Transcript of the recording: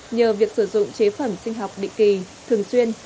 nhờ việc sử dụng chế phẩm sinh học định kỳ thường xuyên